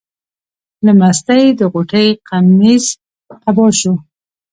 له مستۍ د غوټۍ قمیص قبا شو.